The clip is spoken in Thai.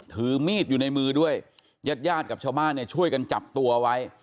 ถือมีดอยู่ในมือด้วยญาติญาติกับชาวบ้านเนี่ยช่วยกันจับตัวไว้